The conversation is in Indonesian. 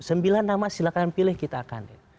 sembilan nama silahkan pilih kita akan